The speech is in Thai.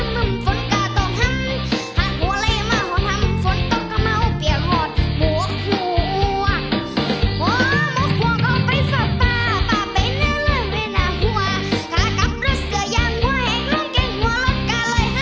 แก่งวันกาเลยห้าน